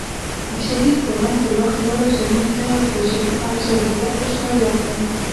د شديد باران پر وخت لوړو ځايونو ته وخېژئ او ضروريات درسره واخلئ.